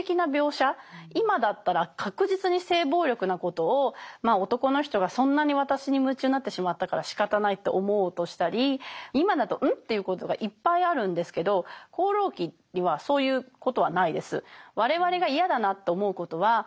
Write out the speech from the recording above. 今だったら確実に性暴力なことを「男の人がそんなに私に夢中になってしまったからしかたない」と思おうとしたり今だと「うん？」っていうことがいっぱいあるんですけど「放浪記」にはそういうことはないです。